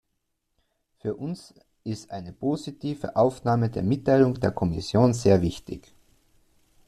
Für uns ist eine positive Aufnahme der Mitteilung der Kommission sehr wichtig.